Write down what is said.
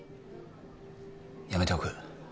やめておく